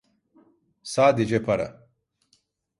Sadece para.